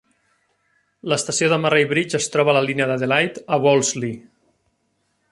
L'estació de Murray Bridge es troba a la línia d'Adelaide a Wolseley.